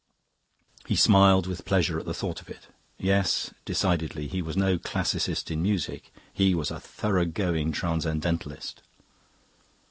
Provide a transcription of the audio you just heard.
He smiled with pleasure at the thought of it. Yes, decidedly, he was no classicist in music; he was a thoroughgoing transcendentalist.